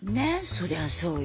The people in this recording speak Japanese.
そりゃそうよ。